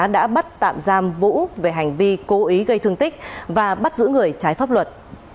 đã bắt tạm giam vũ về hành vi cố ý gây thương tích và bắt giữ người trái pháp luật